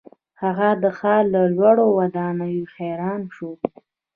هغه د ښار له لوړو ودانیو حیران شو.